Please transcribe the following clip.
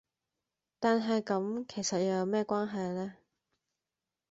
但係咁其實又有乜嘢關係呢?